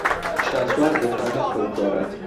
شاسوار دەتوانێت خۆی بگۆڕێت.